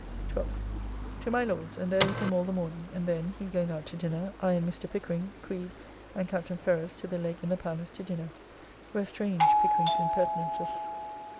12th. To my Lord's, and there with him all the morning, and then (he going out to dinner) I and Mr. Pickering, Creed, and Captain Ferrers to the Leg in the Palace to dinner, where strange Pickering's impertinences.